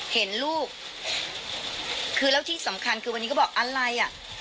เห็นลูกคือแล้วที่สำคัญคือวันนี้ก็บอกอะไรอ่ะ